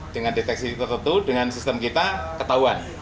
dengan deteksi tertentu dengan sistem kita ketahuan